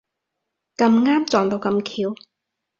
咁啱撞到咁巧